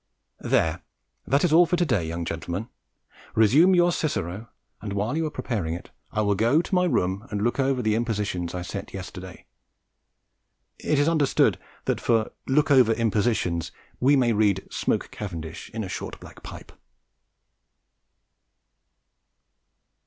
There! that is all for to day, young gentlemen. Resume your Cicero, and, while you are preparing it, I will go to my room and look over the impositions I set you yesterday. It is understood that for "look over impositions" we may read, "Smoke cavendish in a short black pipe."